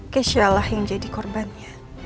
kesua lah yang jadi korbannya